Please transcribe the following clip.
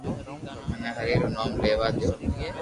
مني ھري رو نوم ليوا دو